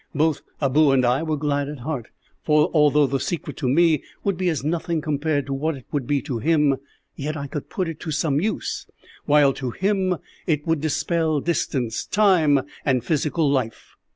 Both Abou and I were glad at heart; for although the secret, to me, would be as nothing compared to what it would be to him, yet I could put it to some use, while, to him, it would dispel distance, time, and physical life.